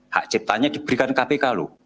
hak ciptaannya diberikan kpk lho